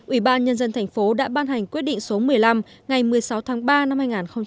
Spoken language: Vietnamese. ủy ban nhân dân tp hcm đã ban hành quyết định số một mươi năm ngày một mươi sáu tháng ba năm hai nghìn một mươi bảy